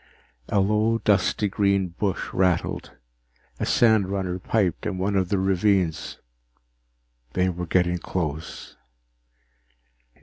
_ A low, dusty green bush rustled. A sandrunner piped in one of the ravines. They were getting close.